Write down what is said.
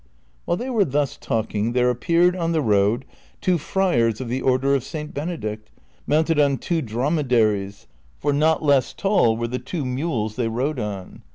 While they were thus talking there a})peared on the road two friars of the order of St. Benedict, mounted on two drome daries, for not less tall were the two mules they rode on.